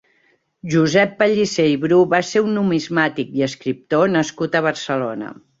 Josep Pellicer i Bru va ser un numismàtic i escriptor nascut a Barcelona.